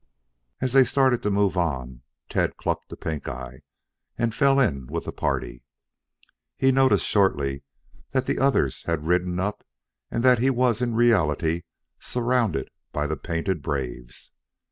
As they started to move on, Tad clucked to Pink eye and fell in with the party. He noticed shortly, that the others had ridden up and that he was in reality surrounded by the painted braves.